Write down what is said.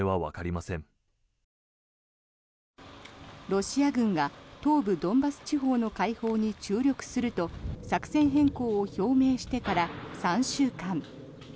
ロシア軍が東部ドンバス地方の解放に注力すると作戦変更を表明してから３週間。